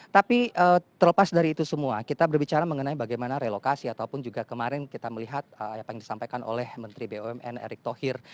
tapi terlepas dari itu semua kita berbicara mengenai bagaimana relokasi ataupun juga kemarin kita melihat apa yang disampaikan oleh menteri bumn erick thohir